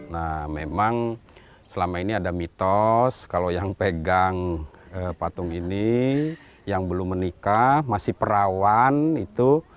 nah memang selama ini ada mitos kalau yang pegang patung ini yang belum menikah masih perawan itu